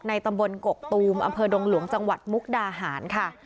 ตำบลกกตูมอำเภอดงหลวงจังหวัดมุกดาหารค่ะ